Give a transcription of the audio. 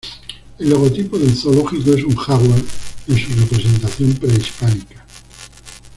El logotipo del zoológico es un jaguar en su representación prehispánica.